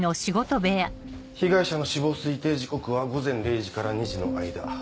被害者の死亡推定時刻は午前０時から２時の間。